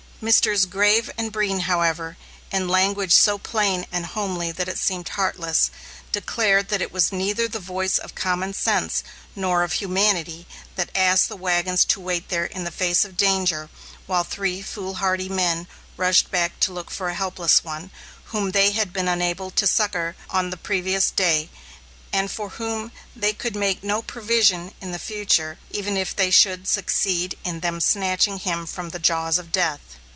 Messrs. Graves and Breen, however, in language so plain and homely that it seemed heartless, declared that it was neither the voice of common sense, nor of humanity that asked the wagons to wait there in the face of danger, while three foolhardy men rushed back to look for a helpless one, whom they had been unable to succor on the previous day, and for whom they could make no provision in the future, even if they should succeed then in snatching him from the jaws of death.